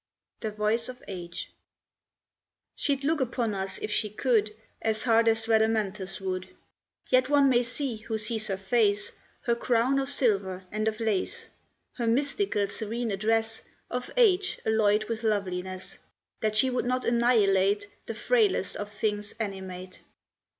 The Voice of Age She'd look upon us, if she could, As hard as Rhadamanthus would; Yet one may see, who sees her face, Her crown of silver and of lace, Her mystical serene address Of age alloyed with loveliness, That she would not annihilate The frailest of things animate.